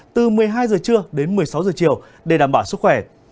từ một mươi hai h trưa đến một mươi sáu h chiều để đảm bảo sức khỏe